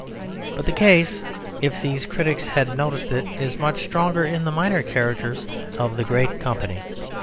But the case, if these critics had noticed it, is much stronger in the minor characters of the great company.